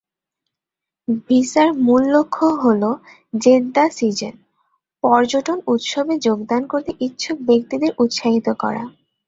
ভিসার মূল লক্ষ্য হল "জেদ্দা সিজন" পর্যটন উৎসবে যোগদান করতে ইচ্ছুক ব্যক্তিদের উৎসাহিত করা।